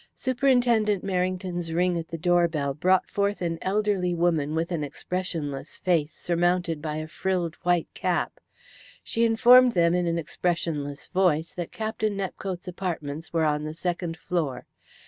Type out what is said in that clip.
Superintendent Merrington's ring at the doorbell brought forth an elderly woman with an expressionless face surmounted by a frilled white cap. She informed them in an expressionless voice that Captain Nepcote's apartments were on the second floor.